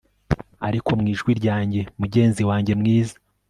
ariko mwijwi ryanjye, mugenzi wanjye mwiza